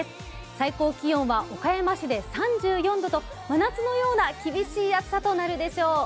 最高気温は岡山市で３４度と真夏のような厳しい暑さとなるでしょう。